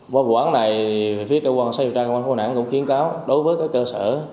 qua vụ án này phía cơ quan xây dựng trang công an phố nẵng cũng khiến cáo đối với các cơ sở